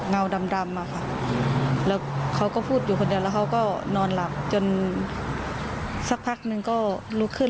เงาดำอะค่ะแล้วเขาก็พูดอยู่คนเดียวแล้วเขาก็นอนหลับจนสักพักนึงก็ลุกขึ้น